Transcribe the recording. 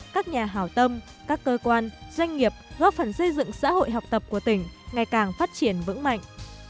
các nhà hào tâm các cơ quan doanh nghiệp góp phần xây dựng xã hội học tập của tỉnh ngày càng phát triển vững mạnh